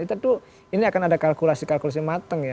itu tuh ini akan ada kalkulasi kalkulasi mateng ya